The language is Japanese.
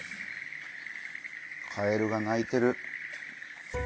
カエルが鳴いてる。